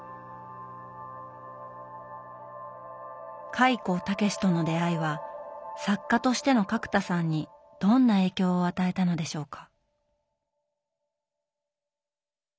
開高健との出会いは作家としての角田さんにどんな影響を与えたのでしょうか？